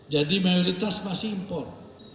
jadi mayoritas masih import